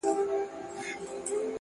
وخت د کارونو اصلي ارزښت څرګندوي,